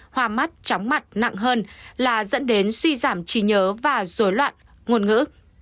hoa mắt tróng mặt nặng hơn là dẫn đến suy giảm trí nhớ và dối loạn ngôn ngữ